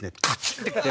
ってきて。